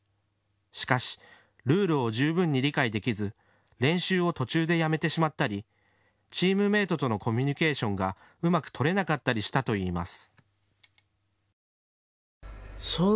しかしルールを十分に理解できず練習を途中でやめてしまったりチームメートとのコミュニケーションがうまく取れなかったりしたといいます。